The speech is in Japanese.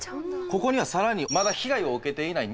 ここには更にまだ被害を受けていない